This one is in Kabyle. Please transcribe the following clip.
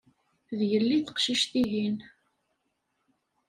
D yelli teqcict-ihin.